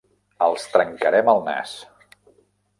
Els trencarem el nas!